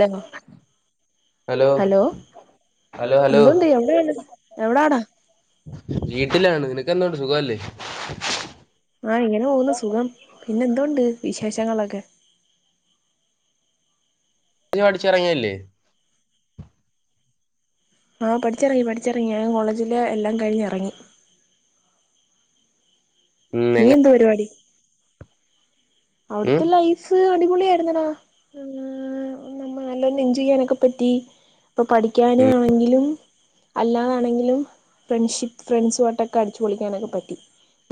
Law hello hello hello എന്തുണ്ട് എവിടെണ് എവിടാട വീട്ടിലാണ് നിനക്ക് എന്തുണ്ട് സുഖവല്ലേ ആഹ് ഇങ്ങനെ പോകുന്നു സുഖം പിന്നെന്തോണ്ട് വിശേഷങ്ങളൊക്കെ നീ പഠിച്ചെറങ്ങിയല്ലേ ആഹ് പഠിച്ചെറങ്ങി പഠിച്ചെറങ്ങി ഞാൻ കോളേജില് എല്ലാം കഴിഞ്ഞ് എറങ്ങി ഉം നീ എങ്ങ എന്ത്‌ പരിപാടി ഉം അവിട്ത്തെ ലൈഫ് അടി പൊളിയാര്ന്നെടാ നമ്മ നല്ല എഞ്ചോയ്യാനൊക്കെ പറ്റി പ്പൊ പഠിക്കാനും ഉം ആണെങ്കിലും അല്ലാ ണെങ്കിലും ഫ്രണ്ട്ഷിപ്പ് ഫ്രണ്ട്സുവായ്ട്ടൊക്കെ അടിച്ച് പൊളിക്കാനൊക്കെ പറ്റി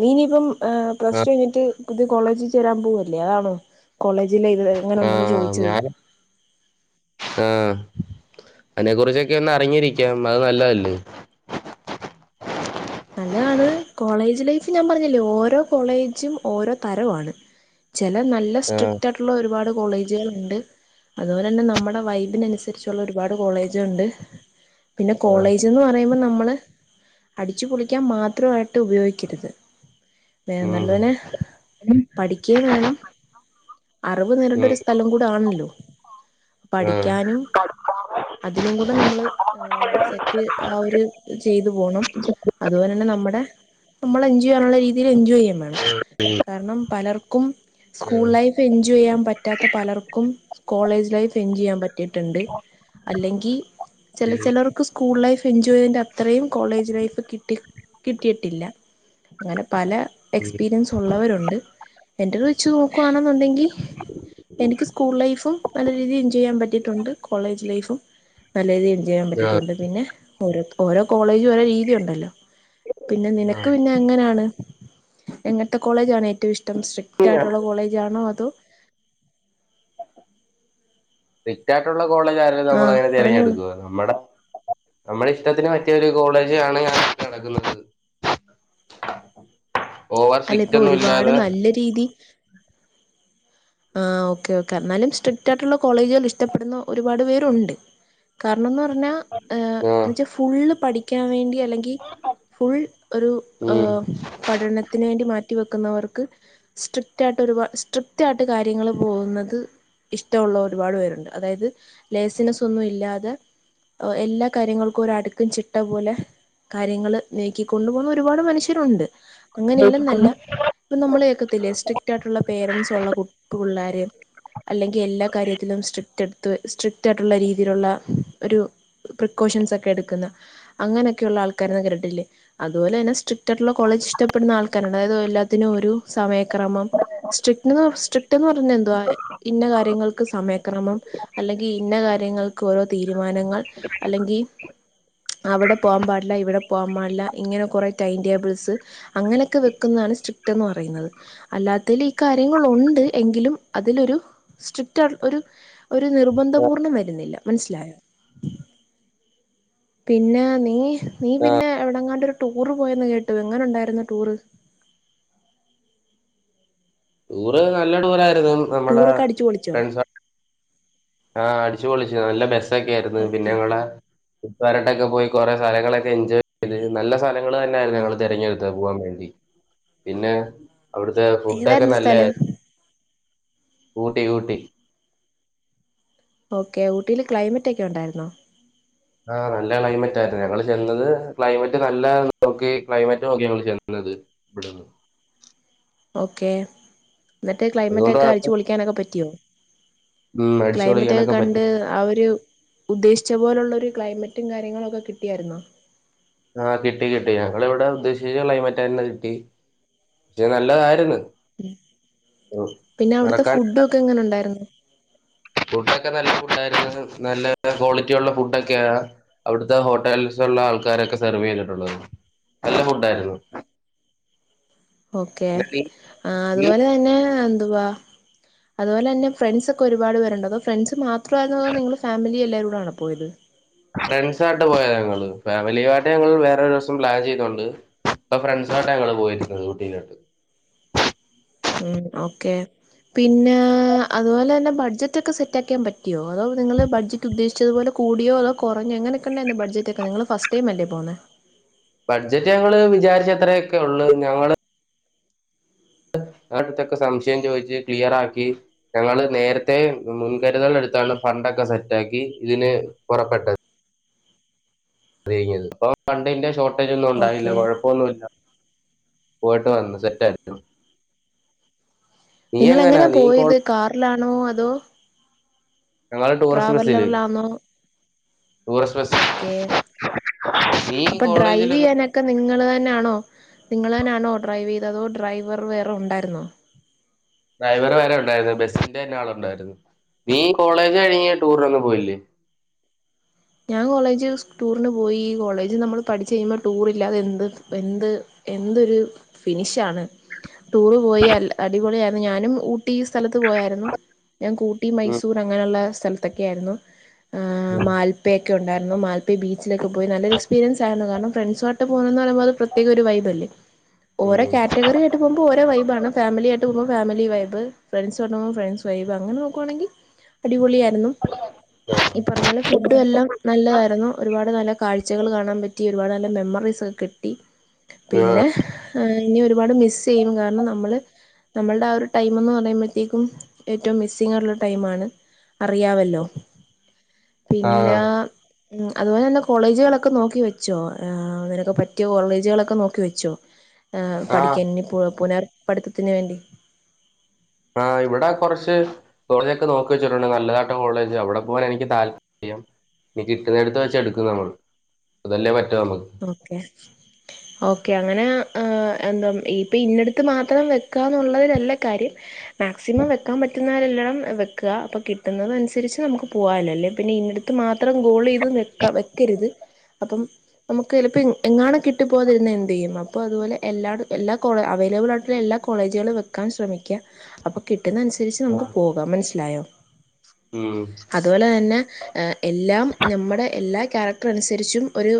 നീ ഇനിപ്പം ആഹ് പ്ലസ് ടു കയ്ഞ്ഞിട്ട് പുതിയ കോളേജി ചേരാൻ പൂവല്ലേ അതാണോ കോളേ ജില് ഇത് ആ എങ്ങനുണ്ടെന്ന് ആ ചോയ്ച്ചത് ഞാൻ അയിനെ കുറിച്ചൊക്കെ ഒന്നറിഞ്ഞിരിക്കാം അത് നല്ലതല്ലേ നല്ലതാണ് കോളേജ് ലൈഫ് ഞാൻ പറഞ്ഞില്ലേ ഓരോ കോളേജും ഓരോ തരം ആണ് ചെല നല്ല ആ സ്ട്രിക്റ്റ് ആയിട്ടുള്ള ഒരുപാട് കോളേജ്കൾ ഇണ്ട് അതുപോലെന്നെ നമ്മടെ വൈബിനനുസരിച്ചുള്ള ഒരുപാട് കോളേജ് ഇണ്ട് പിന്നെ ആ കോളേജ്ന്ന് പറയുമ്പോ നമ്മള് അടിച്ചുപൊളി ക്കാൻ മാത്രവായിട്ട് ഉപയോഗിക്കരുത് വേ ഉം നല്ലതിന് പഠിക്കേം വേണം അറിവ് നേടണ്ട ഉം ഒരു സ്ഥലം കൂടെ ആൺല്ലോ ആ ആ പഠിക്കാനും അതിനും കൂടെ നമ്മള് സെറ്റ് ആ ഒരു ചെയ്തു പോണം ങ്ങനെന്നെ നമ്മടെ നമ്മള് എൻജോയ്യാനുള്ള രീതിയിൽ എൻജോയ് യ്യേ വേണം കാരണം പലർക്കും സ്കൂൾ ഉം ലൈഫ് എൻജോയ് ചെയ്യാൻ പറ്റാത്ത പലർക്കും കോളേജ് ലൈഫ് എൻജോയ് എയ്യാൻ പറ്റിട്ടുണ്ട് അല്ലെങ്കി ചെല ചെലർക്ക് സ്കൂൾ ലൈഫ് എൻജോയ് ന്റെ അത്രയും കോളേജ് ലൈഫ് കിട്ടി കിട്ടിയിട്ടില്ല അങ്ങനെ പല ഉം എക്സ്പീരിയൻസ് ഉള്ളവരുണ്ട്. എന്റെ ഒരു വെച്ച് നോക്കുവാണെന്നുണ്ടെങ്കിൽ എനിക്ക് സ്കൂൾ ലൈഫും നല്ല രീതിയിൽ എൻജോയ് ചെയ്യാൻ പറ്റി ഉണ്ട് കോളേജ് ലൈഫ്യും നല്ല രീതിയിൽ എൻജോയ് ചെയ്യാൻ ആ പറ്റിയിട്ടുണ്ട്. പിന്നെ ഓരോ ഓരോ കോളേജും ഓരോ രീതി ഉണ്ടല്ലോ. പിന്നെ ആ നിനക്ക് പിന്നെ എങ്ങനെയാണ് എങ്ങനത്തെ കോളേജ് ആണ് ഏറ്റവും ഇഷ്ടം. ഏറ്റവും സ്ട്രിക്റ്റ് ആയിട്ടുള്ള കോളേജാണോ അതോ സ്ട്രിക്റ്റ് ആയിട്ടുള്ള കോളേജ് ആയിരുന്നെങ്കിൽ നമ്മൾ ആഹ് അങ്ങനെ പറഞ്ഞോളൂ തിരഞ്ഞെടുക്ക മാഡം. നമ്മളി [unintelligible] പറ്റിയ ഒരു കോളേജ് ആണ് ഞാൻ നോക്കി നടക്കുന്നത്. ഓവർ അല്ല സ്ട്രിറ്റ് ഇപ്പൊ ഒന്നും ഒരുപാട് ഇല്ലാതെ നല്ല ആ ഓക്കെ ഓക്കെ എന്നാലും സ്ട്രിക്റ്റ് ആയിട്ടുള്ള കോളേജുകൾ ഇഷ്ടപ്പെടുന്ന ഒരുപാട് പേരുണ്ട്. കാരണമെന്ന് പറഞ്ഞാ എന്ന ആ വെച്ചാൽ ഫുൾ പഠിക്കാൻ വേണ്ടി ഫുൾ ഒരു ഉം പഠനത്തിന് വേണ്ടി മാറ്റി [unintelligible] ന്നവർക്ക് സ്ട്രിക്റ്റ് ആയിട്ട് ഒരുപാട് സ്ട്രിക്റ്റ് ആയിട്ട് കാര്യങ്ങൾ പോകുന്നത് ഇഷ്ടമുള്ള ഒരുപാട് പേരുണ്ട്. അതായത് ലൈസൻസ് ഒന്നും ഇല്ലാതെ എല്ലാ കാര്യങ്ങൾക്കും ഒരു അടുക്കും ചിട്ട പോലെ കാര്യങ്ങൾ നീക്കിക്കൊണ്ടുപോകുന്ന ഒരുപാട് മനുഷ്യരുണ്ട് അങ്ങനെല്ലെന്നല്ല ഇപ്പൊ നമ്മളെ കേൾക്കത്തില്ലേ സ്ട്രിക്റ്റ് ആയിട്ടുള്ള പേരൻസ് ഉള്ള കുട്ട പിള്ളാര അല്ലെങ്കിൽ എല്ലാ കാര്യത്തിലുംസ്ട്രിക്റ്റ് എടു സ്ട്രിക്റ്റ് ആയിട്ടൊള്ള രീതിയിലുള്ള ഒരു പോർഷൻസ് എടുക്കുന്ന അങ്ങനെക്കെയുള്ള ആൾക്കാരെയൊക്കെ ണ്ടിട്ടില്ലേ അതുപോലെ സ്ട്രിക്റ്റ് സ്ട്രിക്റ്റയിട്ടുള്ള കോളേജ് ഇഷ്ടപ്പെടുന്ന ആൾക്കാരുണ്ടു. അതായത് എല്ലാത്തിനും ഒരു സമയക്രമം സ്ട്രിക്ട് സ്ട്രിക് സ്ട്രിക്റ്റ്ന്ന് പറഞ്ഞ എന്തുവാ ഇന്ന കാര്യങ്ങൾക്ക് സമയക്രമം അല്ലെങ്കിൽ ഇന്ന കാര്യങ്ങൾക്ക് ഓരോ തീരുമാനങ്ങൾ അല്ലെങ്കിൽ അവിടെ പോവാൻ പാടില്ല ഇവിടെ പോവാൻ പാടില്ല ഇങ്ങനെ കൊറേ ടൈം ടേബിൾ [unintelligible] അങ്ങനെയൊക്കെ വെക്കുന്നതാണ് സ്ട്രിക്റ്റ് പറയുന്നത് അല്ലാത്തൽ ഈ കാര്യങ്ങളുണ്ട്. എങ്കിലും അതിലൊരു സ്ട്രിക്റ്റ് ഒരു ഒരു നിർബന്ധപൂർണ്ണം വരുന്നില്ല. മനസ്സിലായോ പിന്നെ നീ നീ പിന്നെ എവിടെങ്ങാണ്ടോരു ടൂർ പോയന്ന് കേട്ടു എങ്ങനെുണ്ടായിരുന്ന ടൂറ്. ടൂർ നല്ല ടൂർ ആയിരുന്നു നമ്മടെ ടൂറൊക്കെ അടിച്ചു പൊളിച്ചോ ഫ്രണ്ട്‌സ് ആഹ അടിച്ചു പൊളിച്ചു നല്ല ബസ്സൊക്കെ ആയിരുന്നു പിന്നെ ഓക്കെ കൂട്ടുകാരൊക്കെ ആയിട്ട് പോയി കുറെേ സ്ഥലങ്ങളൊക്കെ എൻജോയ് ചെയ്ത് നല്ല സ്ഥലങ്ങൾ തന്നെയായിരുന്നു. ഞങ്ങൾ തിരഞ്ഞെടുത്ത് പോകാൻ വേണ്ടി. പിന്നെ അവിടുത്തെ ഫുഡൊക്കെ ഏതായിരുന്നു നല്ല സ്ഥലം ഊട്ടി ഊട്ടി ഓക്കേ ഊട്ടിൽ ക്ലൈമറ്റ് ഒക്കെ ഉണ്ടായിരുന്നോ. ആഹ നല്ല ക്ലൈമറ്റ് ആയിരുന്നു. ഞങ്ങൾ ചെന്നത് ക്ലൈമറ്റ് നല്ല നോക്കി ക്ലൈമറ്റ് നോക്കി ഞങ്ങൾ ചെന്നത്. [unintelligible] ഓക്കെ എന്നിട്ട് ക്ലൈമറ്റ് അതുകൊണ്ട് ഒക്കെ കുഴപ്പം അടിച്ചു പൊളിക്കാൻ പറ്റിയോ. ഉം അടിച്ചു ക്ലൈമറ്റ് ഒക്കെ പൊളിക്കാനൊക്കെ പറ്റി കണ്ട് ആ ഒരു ഉദ്ദേശിച്ച പോലുള്ള ഒരു ക്ലൈമറ്റ് മറ്റും കാര്യങ്ങളും ഒക്കെ കിട്ടിയായിരുന്നോ. ആഹ കിട്ടി കിട്ടി ഞങ്ങൾ ഇവിടെ ഉദ്ദേശിച്ച ക്ലൈമറ്റ് തന്നെ കിട്ടി. പക്ഷെ നല്ലതായിരുന്നു. ഉ ഉം. പിന്നെ അവിടുത്തെ ഫുഡും ഒക്കെ എങ്ങനെ ഉണ്ടായിരുന്നു. ഫുഡ് ഒക്കെ നല്ല ഫുഡ ആയിരുന്നു നല്ല ക്വാളിറ്റി ഉള്ള ഫുഡൊക്കെയ അവിടുത്തെ ഹോട്ടല ആൾക്കാരൊക്കെ സെർവ് ചെയ്തിട്ടുള്ളത് നല്ല ഫുഡ ആയിരുന്നു. ഓക്കെ നീ അതുപോലെ തന്നെ അ അതുപോലെ തന്നെ ഫ്രണ്ട്സ് ഒക്കെ ഒരുപാട് പേരുണ്ട് അ ഫ്രണ്ട്സ് മാ നിങ്ങൾ ഫാമിലി എല്ലരൂട ആണ് പോയത്. ഫ്രണ്ട്സായിട്ട് പോയതാ ഞങ്ങള് ഫാമിലിയായിട്ട് ഞങ്ങൾ വേറൊ ഒരു ദിവസം പ്ലാൻ ചെയ്തണ്ട് ഇപ്പൊ ഫ്രണ്ട്സ് ആയിട്ടാ ഞങ്ങൾ പോയിരിക്കുന്നത് ഊട്ടിലോട്ട് ഉം ഓക്കെ പിന്നെ അതുപോലെ തന്നെ ബഡ്ജറ്റ് ഒക്കെ സെറ്റ് ആക്കിയാൻ പറ്റിയോ അതോ നിങ്ങള് ബഡ്ജറ്റ് ഉദ്ദേശിച്ചതുപോലെ കൂടിയോ അതോ കുറഞ്ഞോ എങ്ങനൊക്കെ ഉണ്ടാരുന്നു ബഡ്ജറ്റ് ഒക്കെ നിങ്ങങ്ങള് ഫസ്റ്റ് ടൈം അല്ലേ പോന്നേ ബഡ്ജറ്റ് ഞങ്ങള് വിചാരിച്ച അത്രയൊക്കെ ഉള്ളൂ ഞങ്ങള് അടുത്തൊക്കെ സംശയം ചോദിച്ച് ക്ലിയർ ആക്കി ഞങ്ങള് നേരത്തെ മുൻകരുതൽ എടുത്ത ത്താണ് ഫണ്ടൊക്കെ സെറ്റാക്കി ഇതിന് പുറപ്പെട്ടത് ഴിഞ്ഞത് അപ്പൊ ഫണ്ടിന്റെ ഷോർട്ടേജ് ഒന്നും ഉണ്ടാവില്ല ഓക്കെ കുഴപ്പമൊന്നുമല്ല പോയിട്ട് വന്ന് സെറ്റ് ആയിരുന്നു നിങ്ങൾ എങ്ങനാ പോയത് കാറിലാണോ അതോ ഞങ്ങൾ ടൂറിസ്റ്റ് ബസില് ട്രാവലറിലാണോ ഓക്കെ നീ അപ്പൊ കോളേജിൽ ഡ്രൈവ് ചെയ്യാനൊക്കെ നിങ്ങള് തന്നൊണോ നിങ്ങൾ തന്നാണോ ഡ്രൈവ് ചെയ്യ അതോ ഡ്രൈവർ വേറെ ഉണ്ടായിരുന്നോ ഡ്രൈവർ വേറെ ഉണ്ടായിരുന്നു ബസ്സിന്റെ തന്നെ ആള് ഉണ്ടായിരുന്നു നീ കോളേജ് കഴിഞ്ഞ് ടൂറിന് ഒന്നും പോയില്ലേ [inaudible] ഞാൻ കോളേജ് ടൂറിന് പോയി കോളേജ് നമ്മൾ പഠിച്ചു കഴിയുമ്പോൾ ടൂർ ഇല്ലാതെ എന്ത് എന്ത് എന്ത് എന്തൊരു ഫിനിഷാണ് ടൂറ് പോയി അടിപൊളിയായിരുന്നു ഞാനും ഊട്ടി സ്ഥലത്ത് പോയായിരുന്നു ഞങ്ങക്ക് ഊട്ടി ഉം മൈസൂർ അങ്ങനെയുള്ള സ്ഥലത്തൊക്കെ ആയിരുന്നു മാൽപ്പയൊക്കെ ഉണ്ടായിരുന്നു മാൽപ്പയ ബീച്ചിലൊക്കെ പോയി നല്ലൊരു എക്സ്പീരിയൻസ് ആരുന്നു കാരണം ഫ്രണ്ട്സ് ആയിട്ട് പോണന്ന് പറയുമ്പോൾ അത്യേക ഒരു വൈബല്ലേ ഓരോ ഉം കാറ്റഗറി ആയിട്ട് പോകുമ്പോ ഓരോ വൈബാണ് ഫാമിലി ആയിട്ട് പോകുമ്പോൾ ഫാമിലി വൈബ് ഫ്രണ്ട്സ് ആയിട്ട് പോകുമ്പോൾ ഫ്രണ്ട്സ് വൈബ് അങ്ങനെ നോക്കുവാണെങ്കിൽ അടിപൊളി ആയിരുന്നു ഈ പറഞ്ഞ പോലെ ഫുഡും എല്ലാം നല്ലതായിരുന്നു ഒരുപാട് നല്ല കാഴ്ചകൾ കാണാൻ പറ്റി ഒരുപാട് നല്ല മെമ്മറീസ് ഒക്കെ കിട്ടി പിന്നെ ഇനി ഒരുപാട് മിസ് ചെയ്യും കാരണം നമ്മള് നമ്മളുടെ ആ ഒരു ടൈംന്ന് പറയുമ്പോഴത്തേക്കും ഏറ്റവും മിസ്സിങ് ഉള്ള ടൈമാണ് അറിയാമല്ലോ ആഹ് പിന്നെ ആഹ് ഉം അതുപോലെ തന്നെ കോളേജുകളൊക്കെ നോക്കി വെച്ചോ നിനക്ക് പറ്റിയ കോളേജുകളൊക്കെ നോക്കി വെച്ചോ ആഹ് പഠിക്കാൻ ഇനി പുനർ പഠിത്തത്തിന് വേണ്ടി ആഹ് ഇവിടെ കുറച്ച് കോളേജൊക്കെ നോക്കി വെച്ചിട്ടുണ്ട് നല്ലതാട്ട കോളേജ് അവിടെ പോകാൻ എനിക്ക് താല്പര്യം ഇനി കിട്ടുന്നടുത്ത് വെച്ച് എടുക്കും നമ്മള് അതല്ലേ പറ്റു ഓക്കെ ഓക്കെ അങ്ങനെ എന്താ ഇപ്പൊ ഇന്നടുത്ത് മാത്രം വെക്കാന്നുള്ളതിലല്ല കാര്യം മാക്സിമം വെക്കാൻ പറ്റുന്നവരെല്ലണം വെക്കുക അപ്പോൾ കിട്ടുന്നത് അനുസരിച്ച് നമുക്ക് പോകമല്ലോ അല്ലേ പിന്നെ ഇന്നടുത്ത് മാത്രം അത്രം ഗോൾ ചെയ്ത് വെക്കാ വെക്കരുത് അപ്പം നമുക്ക് ചിലപ്പോൾ എങ്ങാണ് കിട്ടി പോകതിരുന്നാ എന്ത് ചെയ്യും അപ്പോൾ അതുപോലെ എല്ലാ എല്ലാ കോള അവൈലബിൾ ആയിട്ടുള്ള എല്ലാ കോളേജുകൾ വെക്കാൻ ശ്രമിക്കുക അപ്പൊ കിട്ടുന്ന അനുസരിച്ച് നമുക്ക് പോകാം മനസ്സിലായോ ഉം അതുപോലെ തന്നെ എല്ലാം നമ്മുടെ എല്ലാ ക്യാരക്ട അനുസരിച്ചും ഒരു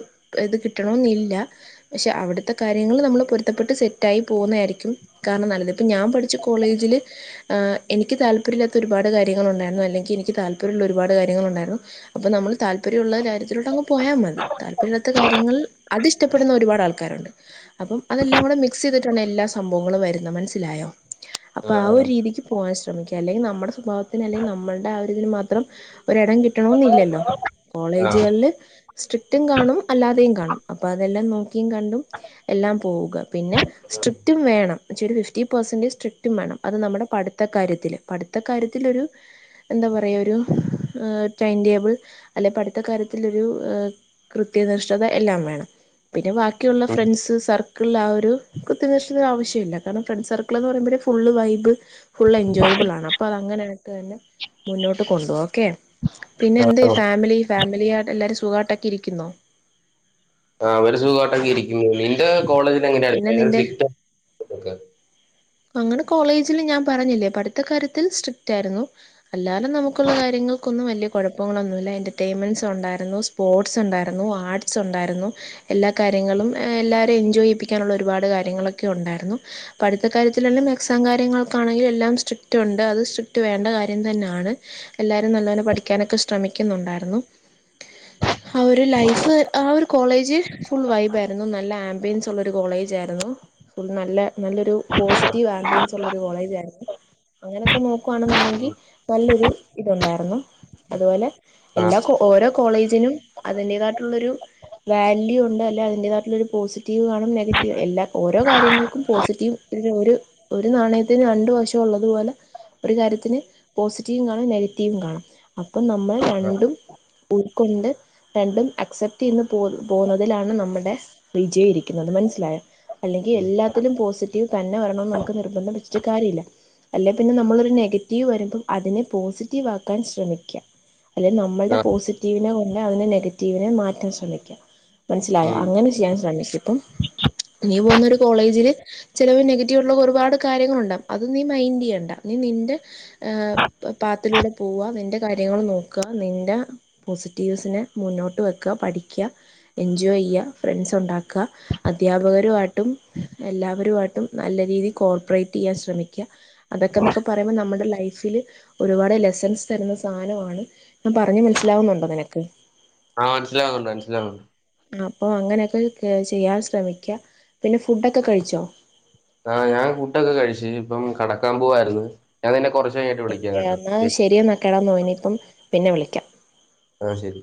ഇത് കിട്ടണെന്നില്ല പക്ഷെ അവിടുത്തെ കാര്യങ്ങള് നമ്മള് പൊരുത്തപ്പെട്ട് സെറ്റായി പോകുന്നതായിരിക്കും കാരണം നല്ലത് ഇപ്പോൾ ഞാൻ പഠിച്ച കോളേജിൽ എനിക്ക് താല്പര്യമില്ലാത്ത ഒരുപാട് കാര്യങ്ങളൾ ഉണ്ടായിരുന്നു അല്ലെങ്കിൽ എനിക്ക് താല്പര്യമുള്ള ഒരു പാട് കാര്യങ്ങളൾ ഉണ്ടായിരുന്നു അപ്പൊ നമ്മൾ താല്പര്യമുള്ളള്ള കാര്യത്തിലോട്ട് അങ്ങ് പോയാൽ മതി താല്പര്യമില്ലത്ത കാര്യങ്ങൾ അത് ഇഷ്ടപ്പെടുന്ന ഒരുപാട് ആളു ക്കാരുണ്ട് അപ്പം അതെല്ലാം കൂടെ മിക്സ് ചെയ്തിട്ടാണ് എല്ലാ സംഭവങ്ങളും വരുന്നത് മനസ്സിലായോ അപ്പൊ ആ ഒരു ആഹ് രീതിക്ക് പോകാൻ സ്രമി ശ്രമിക്കുക അല്ലെങ്കിൽ നമ്മുടെ സ്വഭാവത്തിന് അല്ലെങ്കിൽ നമ്മളുടെ ആ ഒരു ഇതിന് മാത്രം ഒരിടം കിട്ടണന്നില്ലല്ലോ ആഹ് കോളേജുകളിൽ സ്ട്രിക്റ്റും കാണും അല്ലാതെയും കാണും അപ്പം അതെല്ലാം നോക്കിയും കണ്ടും എല്ലാം പോവുക പിന്നെ സ്ട്രിക്റ്റും വേണം ഫിഫ്റ്റി പെർസെന്റേജ് സ്ട്രിക്റ്റും വേണം അത് നമ്മുടെ പടുത്ത കാര്യത്തില് പടുത്ത കാര്യത്തിലൊരു എന്താ പറയൊരു ടൈംടേബിൾ അല്ലെ പട്ത്ത കാര്യത്തിലൊരു കൃ ത്യനിഷ്ഠത എല്ലാം വേണം പിന്നെ ബാക്കിയുള്ള ഉം ഫ്രണ്ട്സ് സർ ക്ളാ ഒരു കുത്യനിശ്ണത്തിന്റാവിശ്യമില്ല കാര്ണം ഫ്രണ്ട്സർക്ക്ള് ന്ന് പറയുമ്പൊരു ഫുള്ള് വൈബ് ഫുള്ളെജോയ്മ് [unintelligible] അതങ്ങനായ്ത് തന്നെ മുന്നോട്ട് കൊണ്ടോ ഓക്കെ പിന്നെ എന്തേ ഫാമിലി ഫാമിലിയായ്ട്ടെല്ലാരും സുഖാട്ടൊക്കെ ഇരിക്കുന്നോ ആ അവര് സുഖാട്ടെക്കെ ഇരിക്കുന്നു നിന്റെ കോളേജിലെങ്ങനെയടി പിന്നെ ഭയങ്കര നിന്റെ സ്ട്രിക്റ്റാ ങ്ങനെ കോളേജിൽ ഞാൻ പറഞ്ഞില്ലേ പട്ത്ത കാര്യത്തിൽ സ്ട്രിക്ടാര്ന്നു അല്ലാലെ നമുക്കുള്ള കാര്യങ്ങൾക്കൊ ന്നും വല്ല്യ കൊഴപ്പങ്ങളൊന്നുല്ല എന്റർടൈമെന്റ്സുണ്ടാര്ന്നു സ്പോർട്സുണ്ട ായിരുന്നു ആട്സ് ഉണ്ടായിരുന്നു എല്ലാ ന്നു എല്ലാ കാര്യങ്ങളും എല്ലാരേം എൻജോയ്യിപ്പിക്കാനുള്ള ഒരുപാട് കാര്യങ്ങളൊക്കെ ഉണ്ട [unintelligible] പഠ്ത്ത കാര്യത്തിലെന്നെ എക്സാംകാര്യങ്ങൾക്കാണെങ്കിലു എല്ലാം സ്ട്രിറ്റ് ഉണ്ട് അത് സ്ട്രിറ്റ് വേണ്ട കാര്യം ണ് എല്ലാരും നല്ലോലെ പടിക്കാനൊക്കെ ശ്രമിക്കുന്നുണ്ടാര്ന്നു അവ് രു ലൈഫ് ആ ഒരു കോളേജ് ഫുൾ വൈബാര്ന്നു നല്ല ആംബിയൻസുള്ളൊരു കോളേജ് ആയിരുന്നു നല്ല നല്ലൊരു പോസിറ്റീവ് ആംമ്പിയൻസുള്ളൊരു കോളേജാര്ന്നു അങ്ങനൊക്കെ നോക്കുവാണുന്ന്ണ്ടെങ്കി നല്ലൊരു ഇതുണ്ടായ്ർന്നു അതുപോലെ ആഹ് എല്ലാ ഓരോ കോളേജിനും അതിന്റേതയ്ട്ട്ള്ളൊരു വാല്യു ഉണ്ട് അല്ലെ അതിന്റതായ്ട്ടുള്ളൊരു പോസിറ്റീവ് കാണും നെഗറ്റീവ് എല്ലാ ഓരോ കാര്യങ്ങക്കും പോസിറ്റീവ് [unintelligible] ഒരു നാണയത്തിന് രണ്ടു വശം ഉള്ളതുപോലെ ഒരു കാര്യത്തിന് പോസിറ്റീവും കാണും നെഗറ്റീവും കാണും അപ്പ നമ്മൾ രണ്ടും ഉൾക്കൊണ്ട് രണ്ടും അക്സെപ്റ്റ് ചെയ്ത് പോ പോകുന്നതിലാണ് നമ്മുടെ വിജയൊരിക്കുന്നത് മനസ്സിലായ അല്ലെങ്കി എല്ലാത്തിലും പോസിറ്റീവ് തന്നെ വരണംന്ന് നമുക്ക് നിർബന്ധം പിട്ച്ട്ട് കാര്യല്ല അല്ലെ പിന്നെ നമ്മളൊരു നെഗറ്റീവ് വരുമ്പോ അതിനെ പോസിറ്റീവാക്കാൻ ശ്രമിക്കാ അല്ലെ നമ്മൾടെ ആഹ് പോസിറ്റീവിനെ [unintelligible] നെഗറ്റീവിനെ മാറ്റാൻ ശ്രമിക്കാ മനസ്സിലായ ഉം അങ്ങനെ ചെയ്യാൻ ശ്രമിക്കിപ്പം നീ പോവ്ന്നൊരു കോളേജില് ചിലവ് നെഗറ്റീവ് ഉള്ള ഒരുപാട് കാര്യങ്ങള്ണ്ടാവും അത് നീ മൈന്റെയ്യണ്ട നിന്റെ ഏ പാത്തിലൂടെ പോവ നിന്റെ കാര്യങ്ങള് നോക്ക നിന്റെ പൊസി [unintelligible] മുന്നോട്ട് വയ്ക്ക പഠിക്കാ എൻജോയെയ്യ ഫ്രണ്ട്സ് ഉണ്ടാക്കാ അദ്ധ്യാപകരുയ്ട്ടും എല്ലാവരുആയ്ട്ടും നല്ല രീതി കോർപ്പറേറ്റെയ്യാൻ ശ്രമിക്കാ അതൊക്കെന്നൊക്കെ പറയുമ്പോ നമ്മടെ ല ലൈഫില് ഒരുപാട് ലെസൻസ് തരുന്ന സാനവാണ് ഞാൻ പറഞ മനസിലാവു ന്നു ടോ നിനക്ക് ആ മനസ്സിലാവുന്നുണ്ട് മനസ്സിലാവ്ണ്ട് അപ്പൊ അങ്ങനെയൊക്കെ ചെയ്യാൻ ശ്രമിക്ക, പിന്നെ ഫുഡൊക്കെ കഴിച്ചോ? ആ ഞാൻ ഫുഡൊക്കെ കഴിച്ചു ഇനിപ്പം കടക്കാൻ പോവായ്ര്ന്ന് ഞാൻ നിന്നെ കൊർ ഓക്കെ എന്നാ ശരി എന്നാ കെടന്നോ ഇനിപ്പം പിന്നെ വിളിക്കാ ആ ശരി